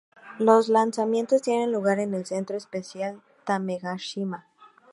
Los lanzamientos tienen lugar en el Centro Espacial Tanegashima.